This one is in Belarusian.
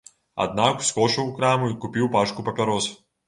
Аднак ускочыў у краму і купіў пачку папярос.